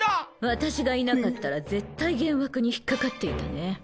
私がいなかったら絶対幻惑に引っかかっていたね。